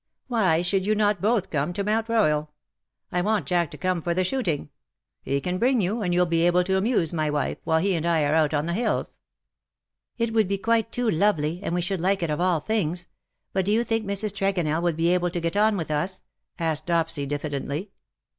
'f Why should not you both come to Mount Royal ? I want Jack to come for the shooting. He can bring you_, and you^ll be able to amuse my wife, while he and I are out on the hills.^' " It would be quite too lovely, and we should like it of all things ; but do you think Mrs. Tregonell would be able to get on with us V asked Dopsy, diffidently.